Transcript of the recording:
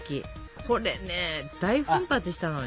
これね大奮発したのよ。